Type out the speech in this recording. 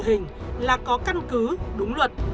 hình là có căn cứ đúng luật